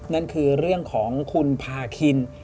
นั่นคือเรื่องของคุณพาคิน